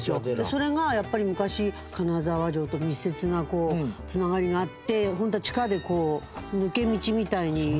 それがやっぱり昔金沢城と密接なつながりがあって地下で抜け道みたいになってたりとか。